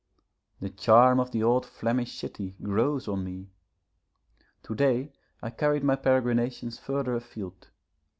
The charm of the old Flemish city grows on me. To day I carried my peregrinations further a field.